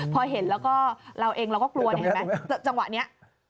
พอเห็นแล้วก็เราเองเราก็กลัวจังหวะนี้